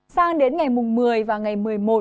sang đến ngày một mươi và ngày một mươi một